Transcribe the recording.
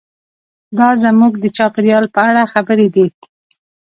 دا زموږ د چاپیریال په اړه خبرې دي.